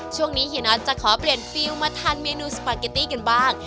เฮียนอทจะขอเปลี่ยนฟิลมาทานเมนูสปาเกตตี้กันบ้าง